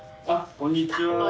こんにちは。